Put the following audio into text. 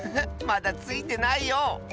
まだついてないよ。